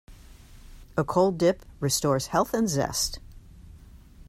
A cold dip restores health and zest.